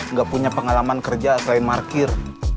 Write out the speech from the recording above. nggak punya pengalaman kerja selain markir